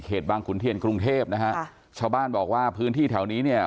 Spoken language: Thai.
บางขุนเทียนกรุงเทพนะฮะค่ะชาวบ้านบอกว่าพื้นที่แถวนี้เนี่ย